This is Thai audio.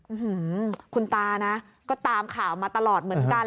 คุณตานะก็ตามข่าวมาตลอดเหมือนกัน